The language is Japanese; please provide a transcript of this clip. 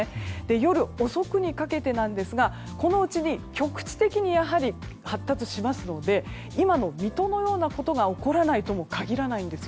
夜遅くにかけてですが局地的にやはり発達しますので今の水戸のようなことが起こらないとも限りません。